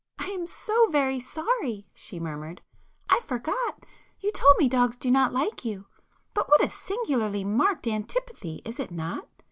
"I am so very sorry!" she murmured,—"I forgot,—you told me dogs do not like you. But what a singularly marked antipathy, is it not?